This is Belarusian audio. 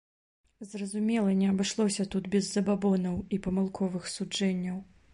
Зразумела, не абышлося тут без забабонаў і памылковых суджэнняў.